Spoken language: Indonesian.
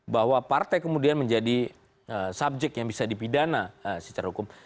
bahwa partai kemudian menjadi subjek yang bisa dipidana secara hukum